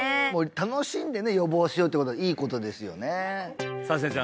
楽しんでね予防しようってことはいいことですよねさあ先生